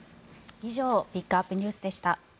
以上ピックアップＮＥＷＳでした。